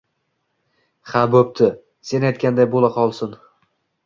Ha bo'pti, sen aytganday bo'laqolsin.